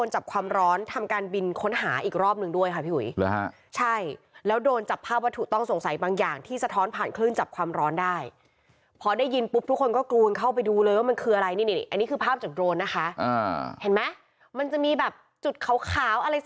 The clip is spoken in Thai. ใช่พุธก็เป็นห่วงต่อมากเขาไปทุกจุดเลยที่เจ้าหน้าที่ไป